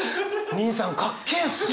にいさんかっけえっすよ！